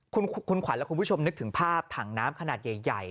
คุณขวัญและคุณผู้ชมนึกถึงภาพถังน้ำขนาดใหญ่